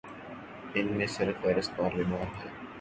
ان میں سر فہرست پارلیمان ہے۔